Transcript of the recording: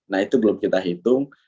nah itu belum kita hitung